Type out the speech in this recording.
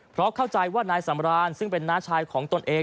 เพราะเข้าใจว่านายสำรานซึ่งเป็นน้าชายของตนเอง